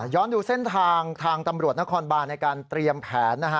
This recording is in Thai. ย้อนดูเส้นทางทางตำรวจนครบ้านในการเตรียมแผน